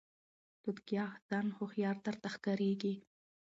توتکیه ځان هوښیار درته ښکاریږي